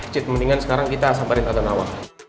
cet mendingan sekarang kita samperin tata nawa